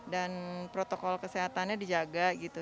dan protokol kesehatannya dijaga gitu